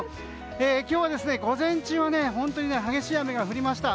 今日は、午前中は激しい雨が降りました。